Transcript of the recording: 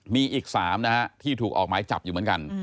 มีอีก๓นะฮะที่ถูกออกหมายจับอยู่เหมือนกัน